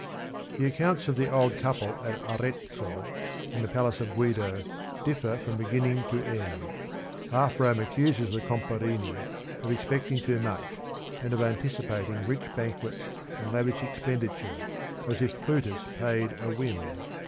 The accounts of the old couple at Arezzo, in the palace of Guido, differ from beginning to end. Half Rome accuses the Comparini of ex pecting too much and of anticipating rich ban quets and lavish expenditure, as if "Plutus paid a whim."